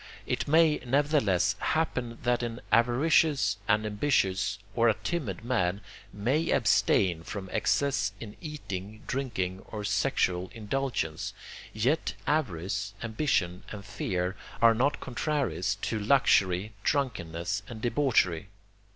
It may, nevertheless, happen, that an avaricious, an ambitious, or a timid man may abstain from excess in eating, drinking, or sexual indulgence, yet avarice, ambition, and fear are not contraries to luxury, drunkenness, and debauchery.